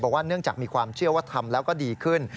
เนื่องจากมีความเชื่อว่าทำแล้วก็ดีขึ้น